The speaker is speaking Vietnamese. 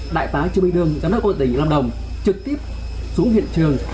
đại tá trương minh đương giám đốc công an tỉnh lâm đồng trực tiếp xuống hiện trường